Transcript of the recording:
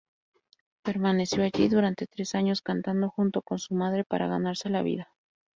Permaneció allí durante tres años, cantando junto con su madre para ganarse la vida.